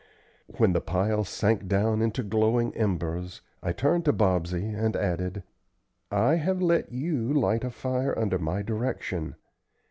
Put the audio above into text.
When the pile sank down into glowing embers, I turned to Bobsey, and added: "I have let you light a fire under my direction.